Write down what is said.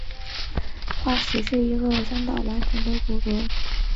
阿马加龙的化石是一个相当完整的骨骼。